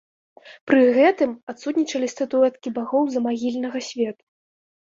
Пры гэтым адсутнічалі статуэткі багоў замагільнага свету.